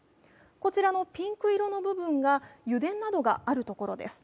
こちらのピンク色の部分が油田などがある所です。